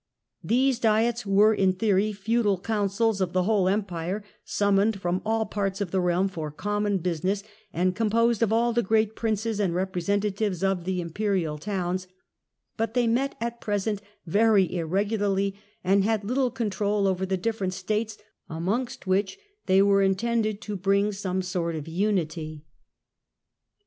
These Diets were in theory feudal Councils of the whole Empire summoned from all parts of the realm for common busi ness and composed of all the great Princes and represen tatives of the Imperial towns ; but they met at present 8 THE END OF THE MIDDLE AGE very irregularly, and had little control over the different States, amongst which they were intended to bring some sort of unity.